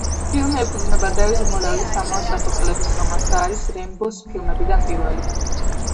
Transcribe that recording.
ფილმი ეფუძნება დევიდ მორელის ამავე სახელწოდების რომანს და არის „რემბოს“ ფილმებიდან პირველი.